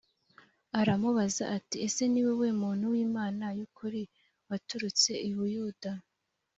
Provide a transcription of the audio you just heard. aramubaza ati ese ni wowe muntu w imana y ukuri waturutse i buyuda